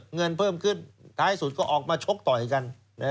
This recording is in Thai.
เงินเพิ่มขึ้นท้ายสุดก็ออกมาชกต่อยกัน